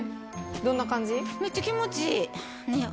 どんな感じ？